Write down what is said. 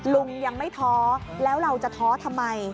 ลุงยังไม่ท้อแล้วเราจะท้อทำไม